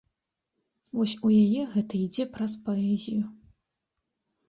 Вось у яе гэта ідзе праз паэзію.